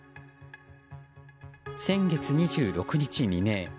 先月２６日未明。